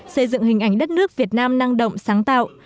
xây dựng hình ảnh đất nước việt nam năng động sáng tạo